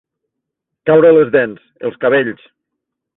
Caure les dents, els cabells.